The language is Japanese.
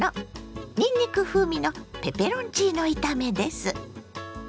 にんにく風味のペペロンチーノ炒めです。